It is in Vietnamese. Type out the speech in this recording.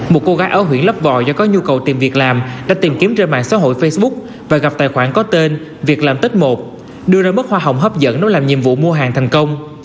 một cô gái ở huyện lấp vòi do có nhu cầu tìm việc làm đã tìm kiếm trên mạng xã hội facebook và gặp tài khoản có tên việc làm tết một đưa ra mức hoa hồng hấp dẫn để làm nhiệm vụ mua hàng thành công